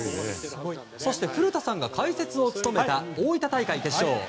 そして古田さんが解説を務めた大分大会決勝。